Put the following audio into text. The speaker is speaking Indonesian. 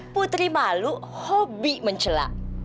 putri malu hobi mencelak